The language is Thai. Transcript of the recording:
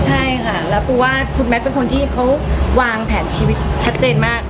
ใช่ค่ะแล้วปูว่าคุณแมทเป็นคนที่เขาวางแผนชีวิตชัดเจนมาก